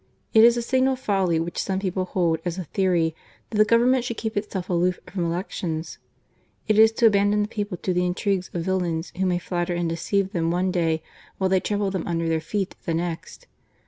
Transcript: It is a signal folly which some people hold as a theory, that a government should keep itself aloof from elections. It is to abandon the people to the intrigues of villains who may flatter and deceive them one day while they trample them under their feet the next.